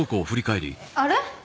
あれ？